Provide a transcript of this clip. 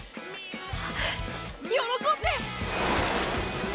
あ喜んで！